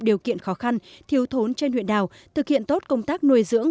điều kiện khó khăn thiếu thốn trên huyện đảo thực hiện tốt công tác nuôi dưỡng